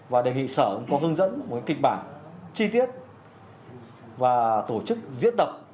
và đề nghị sở cũng có hướng dẫn một kịch bản chi tiết và tổ chức diễn tập